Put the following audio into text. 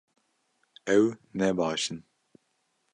Ew ne baş in